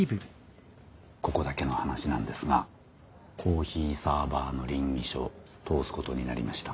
ここだけの話なんですがコーヒーサーバーの稟議書通すことになりました。